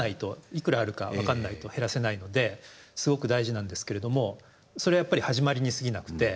いくらあるか分かんないと減らせないのですごく大事なんですけれどもそれはやっぱり始まりにすぎなくて。